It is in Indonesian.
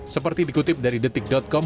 seperti dikutip dari detik com